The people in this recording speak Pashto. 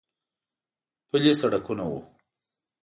پلي سړکونه و.